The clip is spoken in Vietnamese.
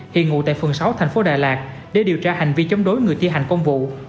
hiện ngụ tại phường sáu thành phố đà lạt để điều tra hành vi chống đối người thi hành công vụ